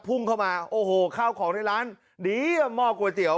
พุ่งเข้ามาโอ้โหข้าวของในร้านดีอ่ะหม้อก๋วยเตี๋ย